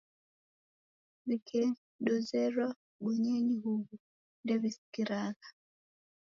Wikedozerwa bonyenyi huw'u, ndew'sikiragha.